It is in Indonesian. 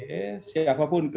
brigadir c siapapun